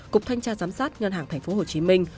cục thanh tra giám sát ngân hàng thành phố hồ chí minh